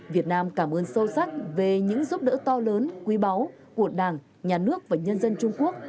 việt nam cảm ơn sâu sắc về những giúp đỡ to lớn quý báu của đảng nhà nước và nhân dân trung quốc